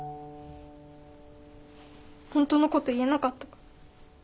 本当のこと言えなかったから。